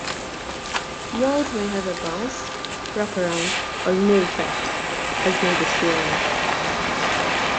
Walls may have a bounce, wrap-around, or no effect, as may the ceiling.